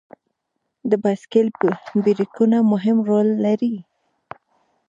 د بایسکل بریکونه مهم رول لري.